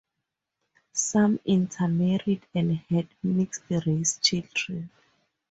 Some intermarried and had mixed-race children.